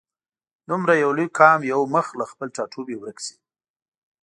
دومره یو لوی قام یو مخ له خپل ټاټوبي ورک شي.